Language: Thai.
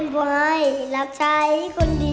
สนับสนุนโดยบริธานาคารกรุงเทพฯ